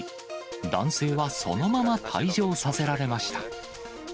男性はそのまま退場させられました。